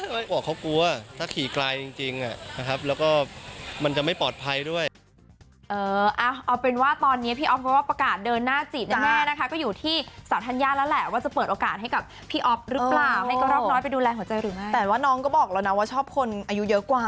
ก็บอกเค้ากลัวถ้าขี่ไกลจริงแล้วก็มันจะไม่ปลอดภัยด้วย